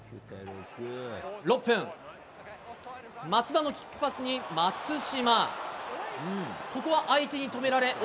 ６分、松田のキックパスに松島。